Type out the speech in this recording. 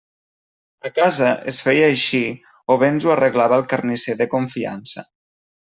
A casa es feia així o bé ens ho arreglava el carnisser de confiança.